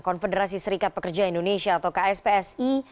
konfederasi serikat pekerja indonesia atau kspsi